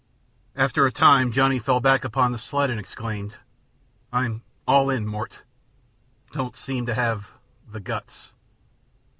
After a time Johnny fell back upon the sled and exclaimed: "I'm all in, Mort. Don't seem to have the guts."